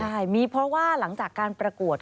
ใช่มีเพราะว่าหลังจากการประกวด